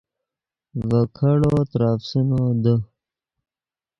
ڤے کیڑو ترے افسینو دے